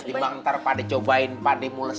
ketika nanti pak d cobain pak d mulus